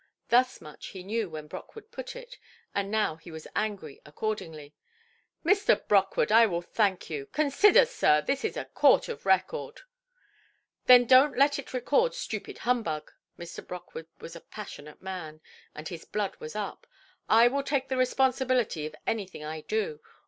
Thus much he knew when Brockwood put it, and now he was angry accordingly. "Mr. Brockwood, I will thank you—consider, sir, this is a court of record"! "Then donʼt let it record stupid humbug"! Mr. Brockwood was a passionate man, and his blood was up. "I will take the responsibility of anything I do.